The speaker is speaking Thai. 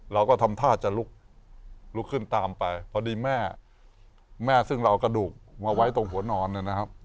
เราก็ทำท่าจะลุกลุกขึ้นตามไปพอดีแม่แม่ซึ่งเราเอากระดูกมาไว้ตรงหัวนอนเนี่ยนะครับ